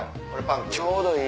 ちょうどいい！